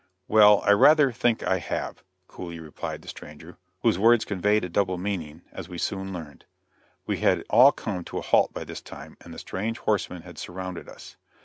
"Well, I rather think I have," coolly replied the stranger, whose words conveyed a double meaning, as we soon learned. We had all come to a halt by this time, and the strange horsemen had surrounded us.